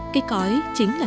cây cói chính là